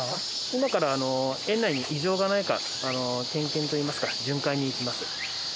今から園内に異常がないか点検といいますか巡回に行きます。